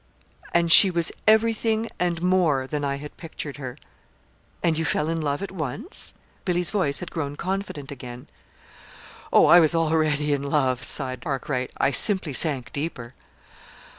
"And she was everything and more than I had pictured her." "And you fell in love at once?" Billy's voice had grown confident again. "Oh, I was already in love," sighed Arkwright. "I simply sank deeper."